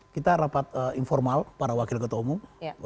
kita rapat informal para wakil ketua umum